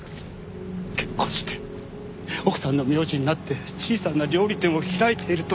結婚して奥さんの名字になって小さな料理店を開いているとだけ。